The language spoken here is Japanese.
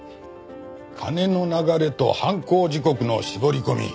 金の流れと犯行時刻の絞り込み。